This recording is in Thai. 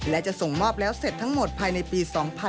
และจะส่งมอบแล้วเสร็จทั้งหมดภายในปี๒๕๕๙